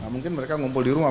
mungkin mereka ngumpul di rumah